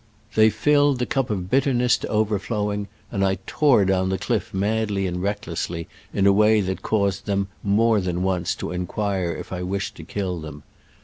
They filled the cup of bitterness to over flowing, and I tore down the cliff madly and recklessly, in a way that caused them, more than once, to inquire if I wished to kill them.